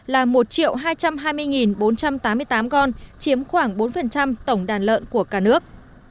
là một hai trăm hai mươi bốn trăm tám mươi tám con chiếm khoảng bốn tổng đàn lợn của cả nước